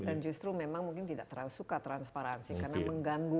dan justru memang mungkin tidak suka transparan sih karena mengganggu